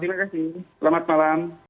terima kasih selamat malam